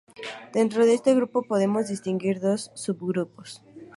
Dentro de este grupo podemos distinguir dos subgrupos.